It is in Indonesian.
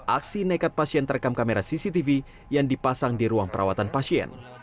aksi nekat pasien terekam kamera cctv yang dipasang di ruang perawatan pasien